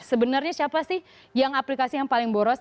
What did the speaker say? sebenarnya siapa sih yang aplikasi yang paling boros